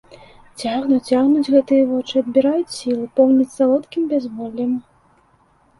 Цягнуць, цягнуць гэтыя вочы, адбіраюць сілы, поўняць салодкім бязволлем.